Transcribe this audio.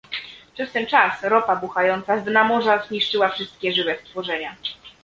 Przez ten czas ropa buchająca z dna morza zniszczyła wszystkie żywe stworzenia